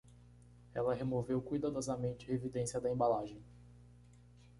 Ela removeu cuidadosamente a evidência da embalagem.